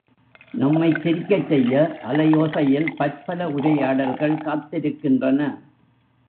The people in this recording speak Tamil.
நம்மைச் சிரிக்கச்செய்ய அலைஓசை யில் பற்பல உரையாடல்கள் காத்திருக்கின்றன!